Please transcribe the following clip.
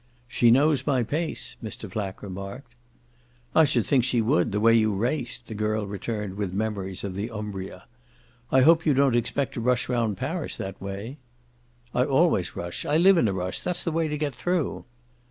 "She knows my pace," Mr. Flack remarked. "I should think she would, the way you raced!" the girl returned with memories of the Umbria. "I hope you don't expect to rush round Paris that way." "I always rush. I live in a rush. That's the way to get through."